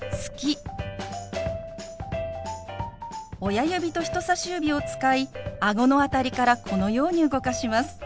親指と人さし指を使いあごの辺りからこのように動かします。